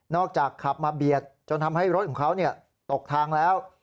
ขับมาเบียดจนทำให้รถของเขาตกทางแล้ว